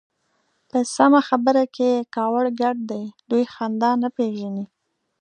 په سمه خبره کې يې کاوړ ګډ دی. دوی خندا نه پېژني.